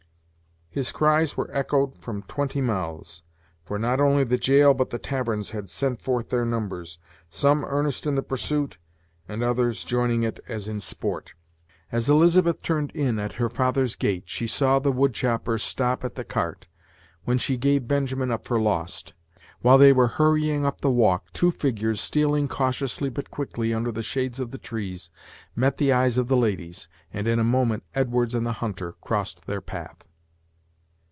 His cries were echoed from twenty mouths, for not only the jail but the taverns had sent forth their numbers, some earnest in the pursuit, and others joining it as in sport. As Elizabeth turned in at her father's gate she saw the wood chopper stop at the cart, when she gave Benjamin up for lost. While they were hurrying up the walk, two figures, stealing cautiously but quickly under the shades of the trees, met the eyes of the ladies, and in a moment Edwards and the hunter crossed their path.